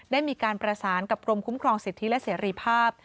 ได้มีการประสานกับกรมคุ้มครองสิทธิและเสรีภาพ